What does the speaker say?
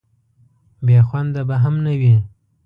بې خونده به هم نه وي.